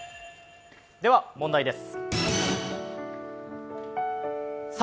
では、問題です。